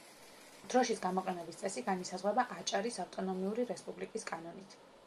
დროშის გამოყენების წესი განისაზღვრება აჭარის ავტონომიური რესპუბლიკის კანონით.